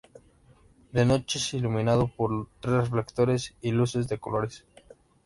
De noche es iluminado por tres reflectores y luces de colores.